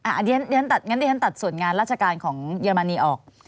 อันนี้ฉันตัดส่วนงานราชการของเยอรมนีออก